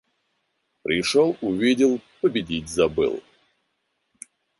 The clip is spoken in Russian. Пришел, увидел, победить забыл.